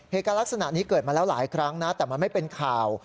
เหตุการณ์ลักษณะนี้เกิดมาแล้วหลายครั้งนะแต่มันไม่เป็นข่าว